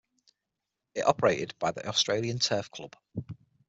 It operated by the Australian Turf Club.